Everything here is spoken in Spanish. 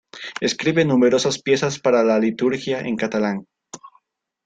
Escribe numerosas piezas para la liturgia en catalán.